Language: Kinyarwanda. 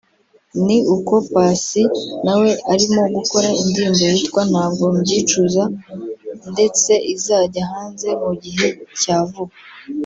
ni uko Paccy nawe arimo gukora indirimbo yitwa "Ntabwo mbyicuza" ndetse izajya hanze mu gihe cya vuba